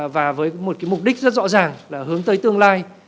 và với một mục đích rất rõ ràng là hướng tới tương lai